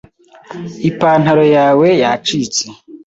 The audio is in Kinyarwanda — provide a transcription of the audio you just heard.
Ipantalo yawe yacitse